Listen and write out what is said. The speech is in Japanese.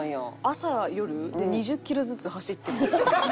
朝夜で２０キロずつ走ってるんです。